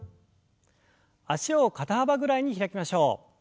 脚を肩幅ぐらいに開きましょう。